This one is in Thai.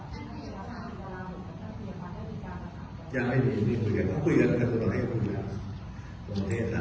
เจ้าเจียงภารกิจเป้าหมายก็ต้องคุยกันกับใครก็ต้องคุยกัน